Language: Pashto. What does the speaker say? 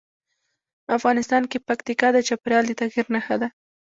افغانستان کې پکتیکا د چاپېریال د تغیر نښه ده.